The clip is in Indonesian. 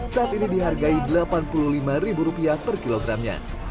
saat ini dihargai rp delapan puluh lima per kilogramnya